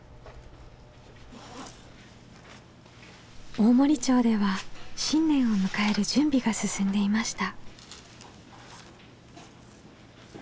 大森町では新年を迎える準備が進んでいました。